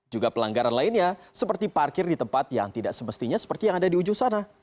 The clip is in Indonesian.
juga pelanggaran lainnya seperti parkir di tempat yang tidak semestinya seperti yang ada di ujung sana